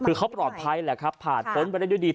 คือเขาปลอดภัยแหละครับผ่านพ้นไปได้ด้วยดี